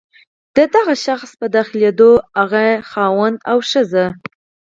د دغه شخص په داخلېدو هغه مېړه او ښځه.